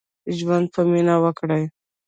ژوند په مينه وکړئ.